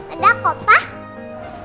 udah kok pak